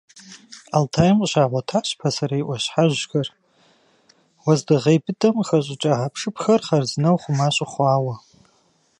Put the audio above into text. Алтайм къыщагъуэтащ пасэрей Ӏуащхьэжьхэр, уэздыгъей быдэм къыхэщӀыкӀа хьэпшыпхэр хъарзынэу хъума щыхъуауэ.